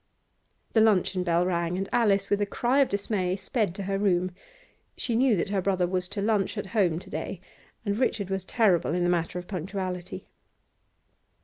The luncheon bell rang, and Alice, with a cry of dismay, sped to her room. She knew that her brother was to lunch at home to day, and Richard was terrible in the matter of punctuality.